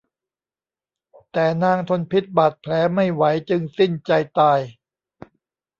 แต่นางทนพิษบาดแผลไม่ไหวจึงสิ้นใจตาย